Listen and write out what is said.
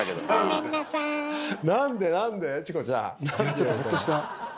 ちょっとホッとした。